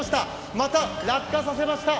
また落下させました。